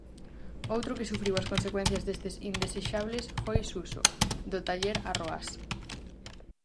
Outro que sufriu as consecuencias destes indesexables foi Suso, do Taller Arroás.